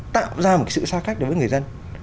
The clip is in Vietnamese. tạo ra một sự xa cách đối với người dân